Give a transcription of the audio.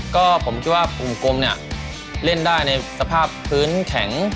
ก็ผมคิดว่ากลุ่มกลมเนี่ยเล่นได้ในสภาพพื้นแข็ง